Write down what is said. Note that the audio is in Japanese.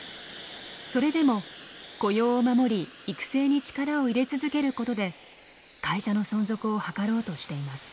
それでも雇用を守り育成に力を入れ続けることで会社の存続を図ろうとしています。